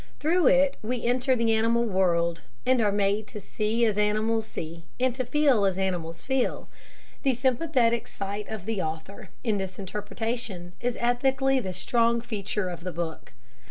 Through it we enter the animal world, and are made to see as animals see, and to feel as animals feel. The sympathetic sight of the author, in this interpretation, is ethically the strong feature of the book.